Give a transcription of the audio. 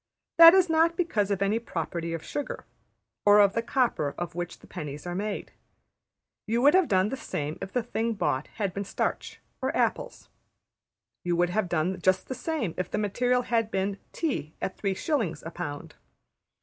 That is not because of any property of sugar, or of the copper of which the pennies are made. You would have done the same if the thing bought had been starch or apples. You would have done just the same if the material had been tea at 3s.\ a pound.